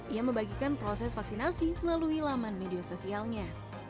ia membagikan proses vaksinasi melalui laman media sosialnya